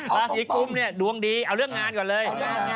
ราศีกุมเนี่ยดวงดีเอาเรื่องงานก่อนเลย